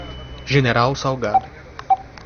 General Salgado